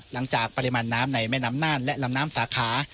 หลังจากปริมาณน้ำในแม่น้ำน่านและลำน้ำสาขา